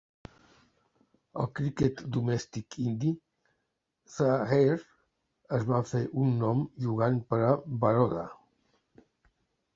Al cricket domèstic indi, Zaheer es va fer un nom jugant per a Baroda.